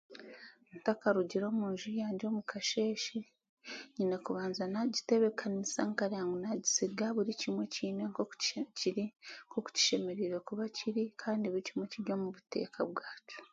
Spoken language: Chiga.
Ntakarugire omu nju yaangye omu kasheeshe, nyine kubanza naagitebeekanisa nkara ngu naagisiga buri kimwe kiine nk'oku kiri nk'okukishemereire kuba kiri kandi buri kimwe kiri omu buteeka bwakyo.